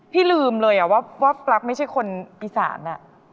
พี่ลืมเลยว่าปลั๊กไม่ใช่คนอีสาน